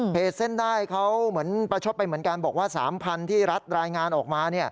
เพจเส้นด้ายเขาประชบไปเหมือนกันบอกว่า๓๐๐๐ที่รัดรายงานออกมา